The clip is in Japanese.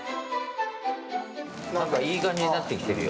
なんか、いい感じになってきてるよ。